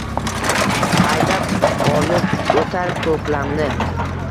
haydab olib oʼtar koʼklamni